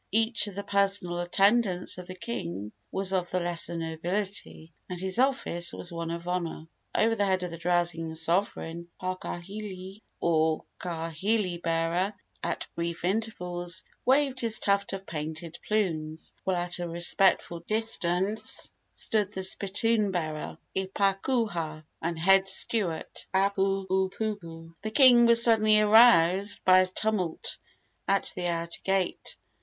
Each of the personal attendants of the king was of the lesser nobility, and his office was one of honor. Over the head of the drowsing sovereign the paakahili, or kahili bearer, at brief intervals waved his tuft of painted plumes, while at a respectful distance stood the spittoon bearer (ipakuha) and head steward (aipuupuu). The king was suddenly aroused by a tumult at the outer gate.